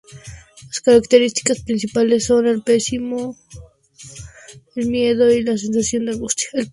Las características principales son el pesimismo, el miedo y la sensación de angustia.